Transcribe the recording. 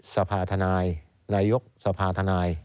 สภาธนายนายกสภาธนาย